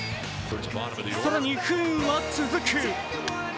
更に不運は続く。